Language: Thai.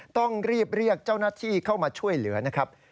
ต้องรีบเรียกเจ้าหน้าที่เข้ามาช่วยเหลือนะครับ